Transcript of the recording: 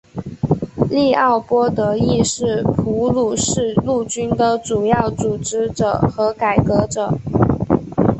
利奥波德亦是普鲁士陆军的主要组织者和改革者。